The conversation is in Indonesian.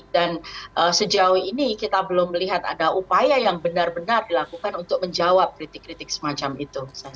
dan sejauh ini kita belum melihat ada upaya yang benar benar dilakukan untuk menjawab kritik kritik semacam itu